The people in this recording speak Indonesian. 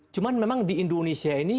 cuma memang di indonesia ini